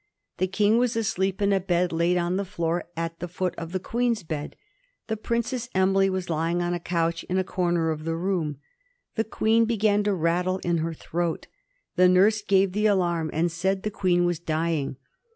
The King was asleep in a bed laid on the floor at the foot of the Queen's bed. The Princess Emily was lying on a couch in a corner of the room. The Queen began to rattle in her throat. The nurse gave the alarm, and said the Queen was dying.